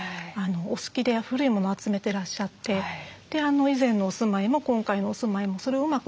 お好きで古い物を集めてらっしゃって以前のお住まいも今回のお住まいもそれをうまく